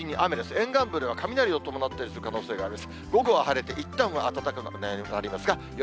沿岸部では雷を伴って降る可能性があります。